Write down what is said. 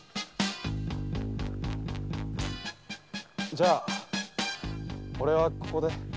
じゃおれはここで。